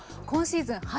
今シーズン